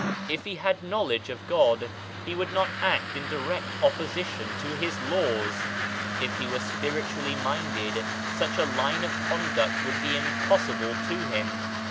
If he had Knowledge of God he could not act in direct opposition to His laws ; if he were spiritually minded such a line of conduct would be impossible to him.